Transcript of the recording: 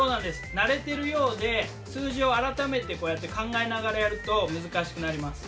慣れてるようで数字を改めてこうやって考えながらやると難しくなります。